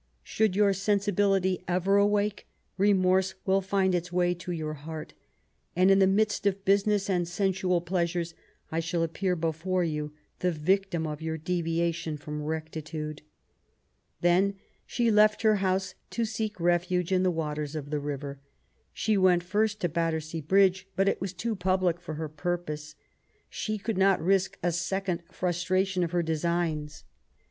Should your sensibility ever awake, remorse will find its way to your heart ; and, in the midst of business and sensual pleasures, I shall appear before you, the victim of your deviation from rectitude. Then she left her house to seek refuge in the waters of the river. She went first to Battersea Bridge ; but it was too public for her purpose. She could not risk a second frustration of her designs.